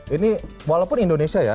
ini walaupun indonesia ya